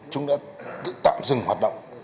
chúng đã tự tạm dừng hoạt động